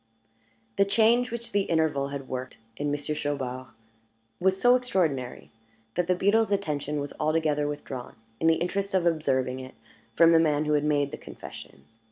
The change which the interval had worked in Monsieur Chaubard was so extraordinary, that the beadle's attention was altogether withdrawn, in the interest of observing it, from the man who had made the confession.